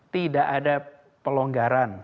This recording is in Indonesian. tidak ada pelonggaran